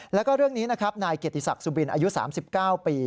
แล้วก็เรื่องนี้นะครับนายเกียรติศักดิ์สุบินอายุ๓๙ปี